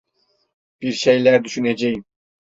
Bir şeyler düşüneceğim.